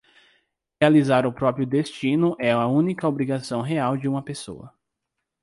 Realizar o próprio destino é a única obrigação real de uma pessoa.